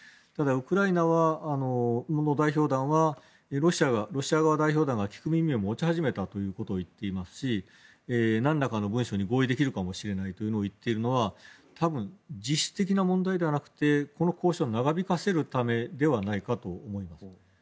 ただ、ウクライナの代表団はロシア側の代表団が聞く耳を持ち始めたということを言っていますしなんらかの文書に合意できるかもしれないと言っているのは多分、実質的な問題ではなくてこの交渉を長引かせるためではないかと思います。